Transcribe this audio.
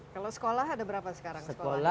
kalau sekolah ada berapa sekarang sekolah